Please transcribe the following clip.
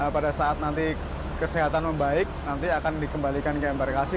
pada saat nanti kesehatan membaik nanti akan dikembalikan ke embarkasi